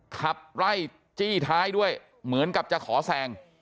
ขับไล่จี้ท้ายด้วยเหมือนกับจะขอแซง